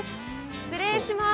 失礼します。